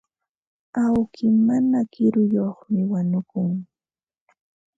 Awki mana kiruyuqmi wañukun.